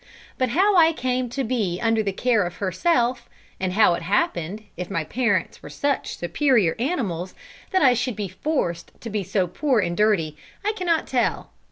But how I came to be under the care of herself, and how it happened, if my parents were such superior animals, that I should be forced to be so poor and dirty, I cannot tell.